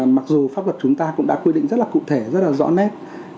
mặc dù pháp luật chúng ta cũng đã quy định rất là cụ thể rất là rõ nét